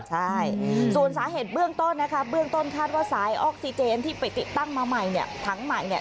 ใช่ส่วนสาเหตุเบื้องต้นนะคะเบื้องต้นคาดว่าสายออกซิเจนที่ไปติดตั้งมาใหม่เนี่ยถังใหม่เนี่ย